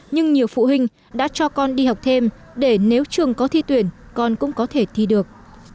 nhưng nhiều phụ huynh đã cho con đi học thêm để nếu trường có thi tuyển con cũng có thể thi được